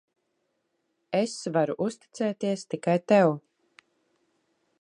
Es varu uzticēties tikai tev.